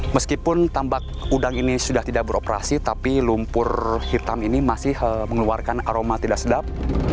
meskipun tambak udang ini sudah tidak beroperasi tapi lumpur hitam ini masih mengeluarkan aroma tidak sedap